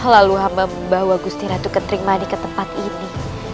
lalu hamba membawa agusti ratu ketering manik ke tempat ini